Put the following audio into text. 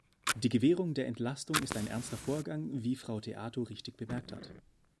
Die Gewährung der Entlastung ist ein ernster Vorgang, wie Frau Theato richtig bemerkt hat.